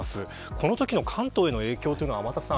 このときの関東への影響は天達さん